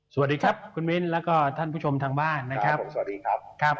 สวัสดีครับคุณมิ้นแล้วก็ท่านผู้ชมทางบ้านนะครับสวัสดีครับครับ